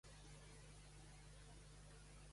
"Lives of the Queens of England" d'Agnes Strickland".